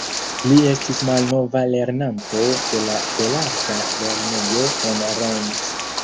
Li estis malnova lernanto de la belarta lernejo en Rennes.